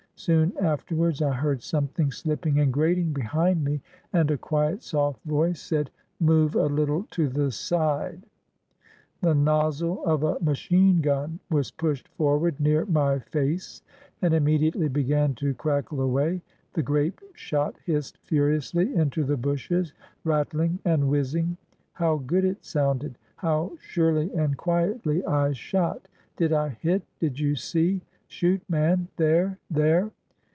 Soon after wards I heard something slipping and grating behind me, and a quiet, soft voice said: "Move a little to the side." 477 SOUTH AFRICA The nozzle of a machine gun was pushed forward near my face, and mimediately began to crackle away. The grape shot hissed furiously into the bushes, ratthng and whizzing. How good it sounded! How surely and quietly I shot! ''Did I hit? Did you see? Shoot, man, there ! there